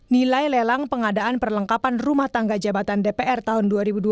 nilai lelang pengadaan perlengkapan rumah tangga jabatan dpr tahun dua ribu dua puluh